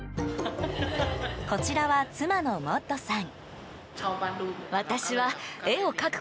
こちらは妻のモッドさん。